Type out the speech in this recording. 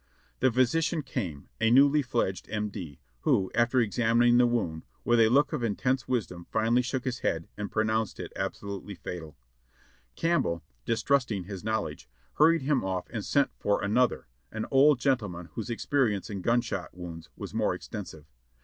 The physician came, a newly fledged M. D., who, after examining HOW CAPTAIN JOHN N. MEIGS WAS KILLED 6/3 the wound, with a look of intense wisdom finally shook his head and pronounced it absolutely fatal. Campbell, distrusting his knowledge, hurried him off and sent for another, an old gentleman whose experience in gunshot wounds was more extensive.